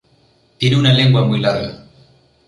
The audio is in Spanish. Tiene una lengua muy larga.